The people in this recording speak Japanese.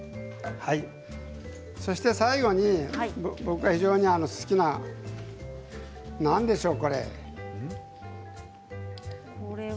最後に僕が非常に好きな何でしょう？